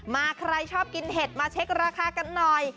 มาใครชอบกินเห็ดมาเช็คราคากันหน่อย